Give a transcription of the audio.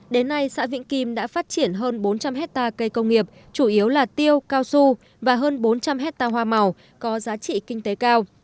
đến nay xã vĩnh kim đã phát triển hơn bốn trăm linh hectare cây công nghiệp chủ yếu là tiêu cao su và hơn bốn trăm linh hectare hoa màu có giá trị kinh tế cao